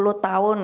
lup sepuluh tahun